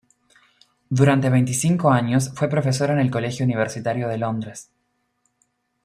Durante veinticinco años, fue profesora en el Colegio Universitario de Londres.